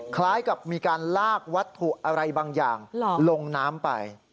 คล้ายกับมีการลากวัตถุอะไรบางอย่างลงน้ำไป